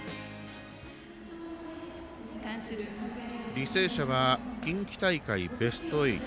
履正社は近畿大会ベスト８。